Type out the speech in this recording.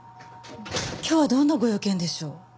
今日はどんなご用件でしょう？